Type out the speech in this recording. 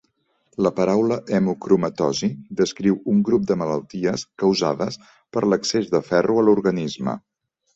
La paraula hemocromatosi descriu un grup de malalties causades per l'excés de ferro a l'organisme.